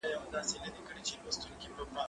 کېدای سي لوښي نم وي!.